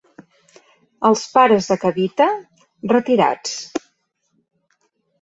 Els pares de Kavita, retirats.